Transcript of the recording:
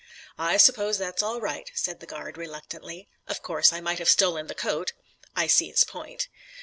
"I suppose that's all right," said the guard reluctantly. Of course I might have stolen the coat. I see his point.